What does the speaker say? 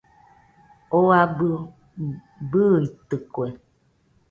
Oo abɨ bɨitɨkue